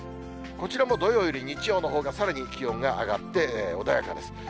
こちらも土曜より日曜のほうがさらに気温が上がって穏やかです。